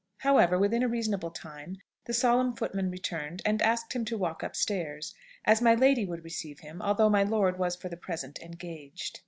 However, within a reasonable time, the solemn footman returned, and asked him to walk upstairs, as my lady would receive him, although my lord was for the present engaged.